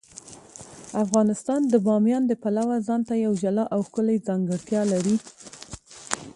افغانستان د بامیان د پلوه ځانته یوه جلا او ښکلې ځانګړتیا لري.